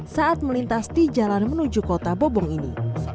saat melintas di jalan menuju kota bobong ini